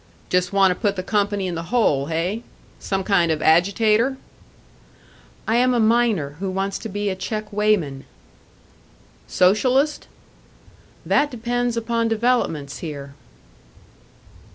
"Just want to put the company in the hole, hey? Some kind of agitator?" "I am a miner who wants to be a check weighman." "Socialist?" "That depends upon developments here."